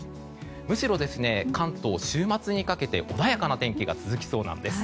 むしろ、関東は週末にかけて穏やかな天気が続きそうなんです。